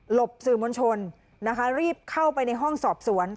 หลบสื่อมชนรีบเข้าไปในห้องสอบศรวรรษ